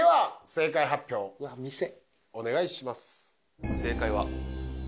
正解は「店」！？